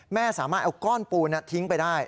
แม่สามารถเอาก้อนปูนทิ้งไปได้